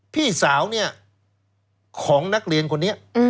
พี่สาวเนี่ยของนักเรียนคนนี้